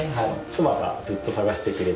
妻がずっと探してくれて。